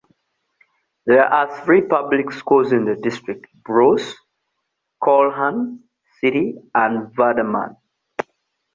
There are three public schools in the district: Bruce, Calhoun City, and Vardaman.